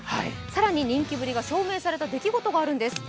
更に人気ぶりが証明された出来事があるんです。